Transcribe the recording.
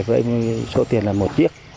với số tiền là một chiếc